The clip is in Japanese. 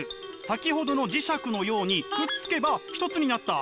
先ほどの磁石のようにくっつけば１つになった。